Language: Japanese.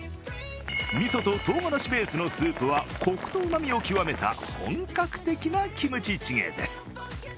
みそととうがらしベースのスープはコクとうまみを極めた本格的なキムチチゲです。